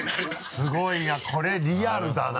すごいなこれリアルだな。